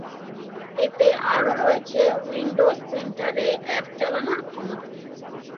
এতে আরও রয়েছে উইন্ডোজ স্টোরের অ্যাপ চালানোর ক্ষমতা।